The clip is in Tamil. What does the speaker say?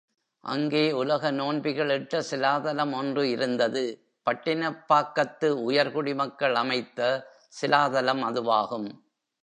அங்கே உலக நோன்பிகள் இட்ட சிலாதலம் ஒன்று இருந்தது பட்டினப்பாக்கத்து உயர்குடி மக்கள் அமைத்த சிலாதலம் அதுவாகும்.